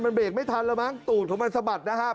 มันเบรกไม่ทันแล้วมั้งตูดของมันสะบัดนะฮะ